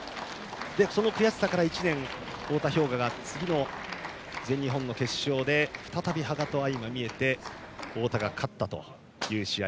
その悔しさから１年太田彪雅が次の全日本の決勝で再び羽賀と相まみえて太田が勝ったという試合。